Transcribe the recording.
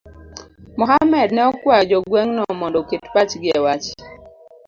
Mohamed ne okwayo jo gweng'no mondo oket pachgi e wach